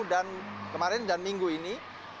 dan kemarin dan minggu ini